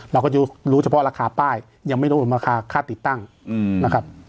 เราก็จะรู้เฉพาะราคาป้ายยังไม่รู้ราคาค่าติดตั้งนะครับ